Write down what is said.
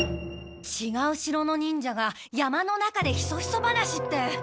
ちがう城の忍者が山の中でヒソヒソ話って。